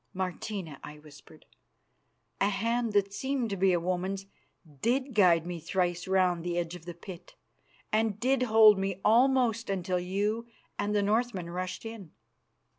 "Martina," I whispered, "a hand that seemed to be a woman's did guide me thrice round the edge of the pit, and did hold me almost until you and the Northmen rushed in."